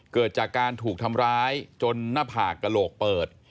เกิดจากการถูกทำร้ายจนหน้าผากกระโหลกเปิด